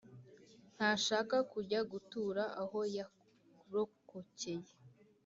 Ntashaka kujya gutura aho yarokokeye